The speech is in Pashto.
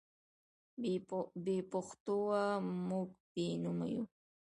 بې پښتوه موږ بې نومه یو.